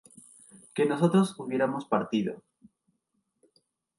que nosotros hubiéramos partido